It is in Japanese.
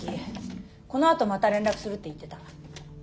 このあとまた連絡するって言ってた。